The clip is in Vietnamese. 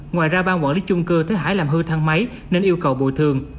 ngoài ra ba quản lý chung cư thấy hải làm hư thang máy nên yêu cầu bồi thường